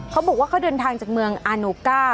เขาบอกว่าเขาเดินทางจากเมืองอาโนก้า